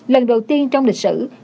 lần đầu tiên trong lịch sử